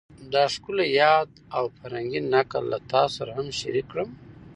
دا ښکلی یاد او فرهنګي نکل له تاسو سره هم شریک کړم